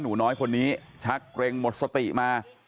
หนูน้อยคนนี้ชักเกร็งหมดสติมา